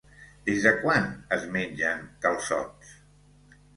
Des de quan es mengen calçots?